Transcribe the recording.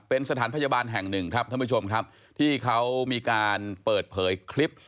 เป็นสถานพยาบาลแห่งหนึ่งครับท่านผู้ชมครับที่เขามีการเปิดเผยคลิป